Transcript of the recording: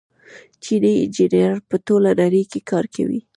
چیني انجنیران په ټوله نړۍ کې کار کوي.